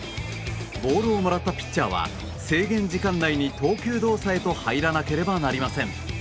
ボールをもらったピッチャーは制限時間内に投球動作へと入らなければなりません。